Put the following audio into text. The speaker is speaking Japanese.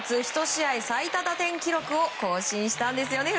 １試合最多打点記録を更新したんですよね。